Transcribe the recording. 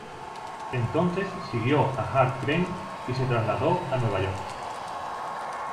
Entonces siguió a Hart Crane y se trasladó a Nueva York.